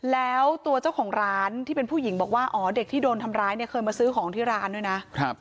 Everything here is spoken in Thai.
แล้วตัวเจ้าของร้านที่เป็นผู้หญิงบอกว่าอ๋อเด็กที่โดนทำร้ายเนี่ยเคยมาซื้อของที่ร้านด้วยนะ